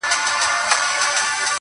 په لومړۍ شپه وو خپل خدای ته ژړېدلی-